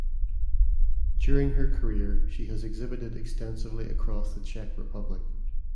During her career she has exhibited extensively across the Czech Republic.